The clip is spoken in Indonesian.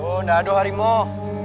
tidak ada harimau